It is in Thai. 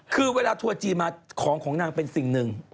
คือเวลาทัวร์จีนมาของของนางเป็นสิ่งหนึ่ง